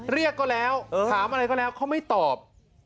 เรียกก็แล้วถามอะไรก็แล้วเขาไม่ตอบ